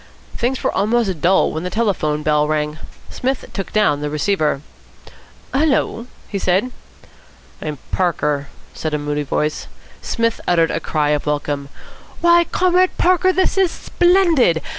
Things were almost dull when the telephone bell rang. Psmith took down the receiver. "Hullo?" he said. "I'm Parker," said a moody voice. Psmith uttered a cry of welcome. "Why, Comrade Parker, this is splendid!